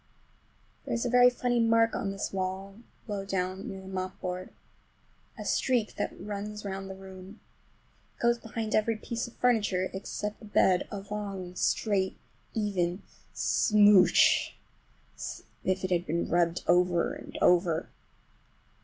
There is a very funny mark on this wall, low down, near the mopboard. A streak that runs round the room. It goes behind every piece of furniture, except the bed, a long, straight, even smooch, as if it had been rubbed over and over.